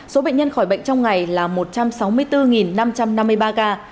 số bệnh nhân khỏi bệnh trong ngày là một trăm sáu mươi bốn năm trăm năm mươi ba ca